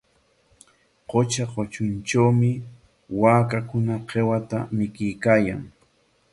Qutra kutruntrawmi waakakuna qiwata mikuykaayan.